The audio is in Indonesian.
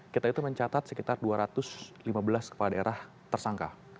kita itu mencatat sekitar dua ratus lima belas kepala daerah tersangka